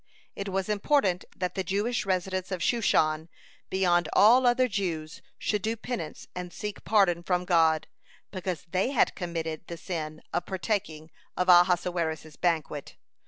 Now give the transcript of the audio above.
(142) It was important that the Jewish residents of Shushan beyond all other Jews should do penance and seek pardon from God, because they had committed the sin of partaking of Ahasuerus's banquet.